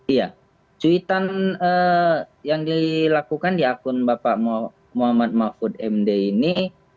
iya cuitan yang dilakukan di akun bapak muhammad mahfud md ini